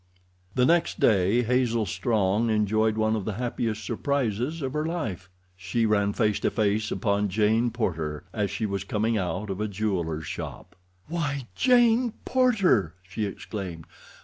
The next day Hazel Strong enjoyed one of the happiest surprises of her life—she ran face to face upon Jane Porter as she was coming out of a jeweler's shop. "Why, Jane Porter!" she exclaimed.